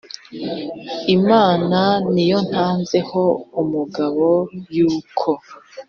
imana ni yo ntanze ho umugabo yuko